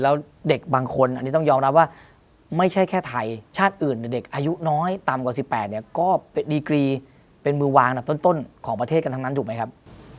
แล้วเด็กบางคนอันนี้ต้องยอมรับว่าไม่ใช่แค่ไทยชาติอื่นหรือเด็กอายุน้อยต่ำกว่า๑๘เนี่ยก็เป็นดีกรีเป็นมือวางอันดับต้นของประเทศกันทั้งนั้นถูกไหมครับ